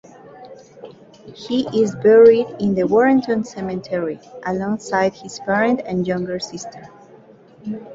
He is buried in the Warrenton Cemetery alongside his parents and younger sister.